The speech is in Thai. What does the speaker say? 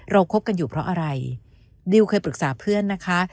คบกันอยู่เพราะอะไรดิวเคยปรึกษาเพื่อนนะคะ